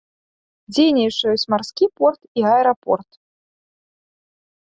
Дзейнічаюць марскі порт і аэрапорт.